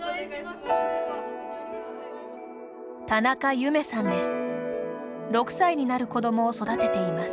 田中夢さんです。